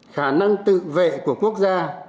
khả năng tự vệ của quốc gia